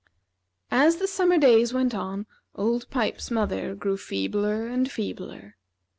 As the summer days went on, Old Pipes's mother grew feebler and feebler.